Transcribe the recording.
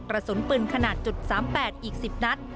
กระสุนปืนขนาด๓๘อีก๑๐นัด